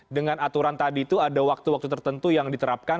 dengan aturan tadi itu ada waktu waktu tertentu yang diterapkan